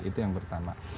itu yang pertama